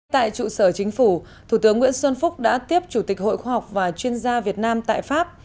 tại trụ sở chính phủ thủ tướng nguyễn xuân phúc đã tiếp chủ tịch hội khoa học và chuyên gia việt nam tại pháp